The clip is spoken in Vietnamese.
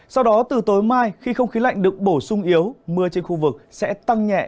sau đó từ tối mai khi không khí lạnh được bổ sung yếu mưa trên khu vực sẽ tăng nhẹ